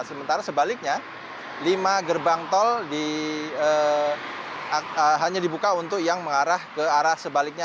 sementara sebaliknya lima gerbang tol hanya dibuka untuk yang mengarah ke arah sebaliknya